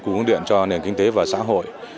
cú hướng điện cho nền kinh tế và xã hội